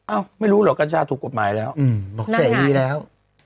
อ้าวไม่รู้หรอกกัญชาถูกกฎหมายแล้วนั่งงานอืมบอกเสร็จนี้แล้ว